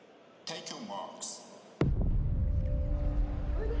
おいで！